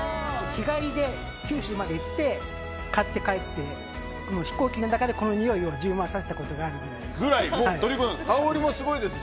日帰りで九州まで行って買って帰って飛行機の中でこのにおいを充満させたことがあるぐらいです。